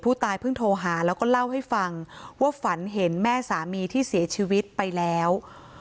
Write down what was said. เพิ่งโทรหาแล้วก็เล่าให้ฟังว่าฝันเห็นแม่สามีที่เสียชีวิตไปแล้ว